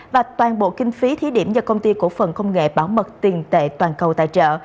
và toàn bộ kinh phí thí điểm do công ty cổ phần công nghệ bảo mật tiền tệ toàn cầu tài trợ